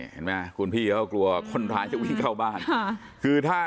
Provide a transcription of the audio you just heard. เห็นไหมคุณพี่เขาก็กลัวคนร้ายจะวิ่งเข้าบ้านคือถ้า